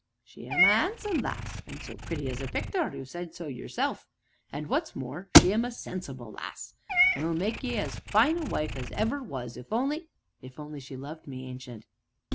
"She 'm a 'andsome lass, an' so pretty as a picter you said so yourself, an' what's more, she 'm a sensible lass, an' 'll make ye as fine a wife as ever was if only " "If only she loved me, Ancient."